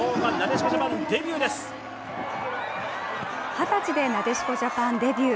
二十歳でなでしこジャパンデビュー。